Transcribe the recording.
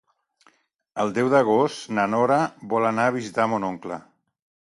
El deu d'agost na Nora vol anar a visitar mon oncle.